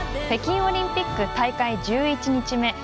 北京オリンピック大会１１日目。